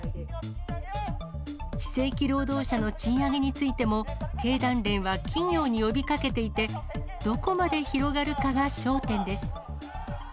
非正規労働者の賃上げについても、経団連は企業に呼びかけていて、どこまで広がるかが焦点です。